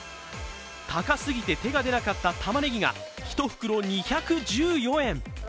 高すぎて手が出なかったたまねぎが１袋２１４円。